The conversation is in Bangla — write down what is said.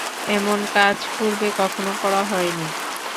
এমন কাজ পূর্বে কখনো করা হয়নি।